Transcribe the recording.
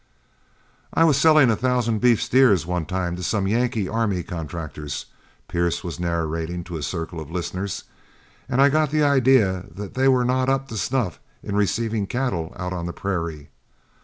"I was selling a thousand beef steers one time to some Yankee army contractors," Pierce was narrating to a circle of listeners, "and I got the idea that they were not up to snuff in receiving cattle out on the prairie.